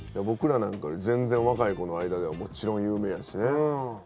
僕らなんかより全然若い子の間ではもちろん有名やしね。